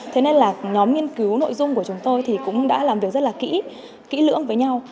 thế nên là nhóm nghiên cứu nội dung của chúng tôi thì cũng đã làm việc rất là kỹ lưỡng với nhau